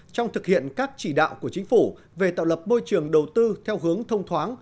trong thực hiện các chỉ đạo của chính phủ về tạo lập môi trường đầu tư theo hướng thông thoáng